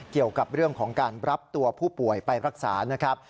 เกี่ยวกับเรื่องของการรับตัวผู้ป่วยไปรักษานะครับ